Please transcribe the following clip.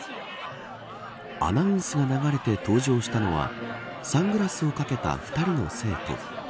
アナウンスが流れて登場したのはサングラスをかけた２人の生徒。